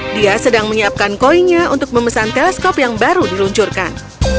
dia sedang menyiapkan koinnya untuk memesan teleskop yang baru diluncurkan